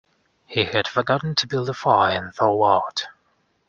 He had forgotten to build a fire and thaw out.